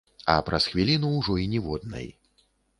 А праз хвіліну ўжо і ніводнай.